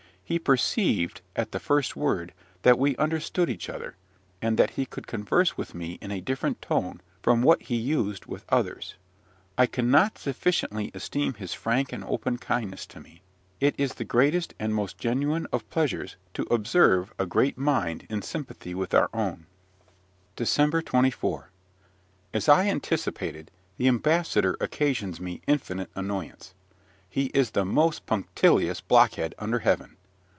He perceived, at the first word, that we understood each other, and that he could converse with me in a different tone from what he used with others. I cannot sufficiently esteem his frank and open kindness to me. It is the greatest and most genuine of pleasures to observe a great mind in sympathy with our own. DECEMBER 24. As I anticipated, the ambassador occasions me infinite annoyance. He is the most punctilious blockhead under heaven.